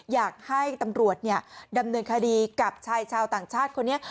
อยากให้ตำรวจดำเนินคดีกับชายชาวต่างชาติคนนี้